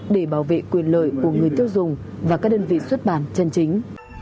để bảo vệ quyền lợi của người tiêu dùng và các đơn vị xuất bản chân chính